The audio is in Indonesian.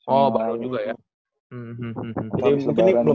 oh baru juga ya